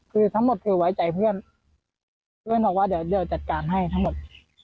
คือทั้งหมดคือไว้ใจเพื่อนเพื่อนบอกว่าเดี๋ยวจัดการให้ทั้งหมด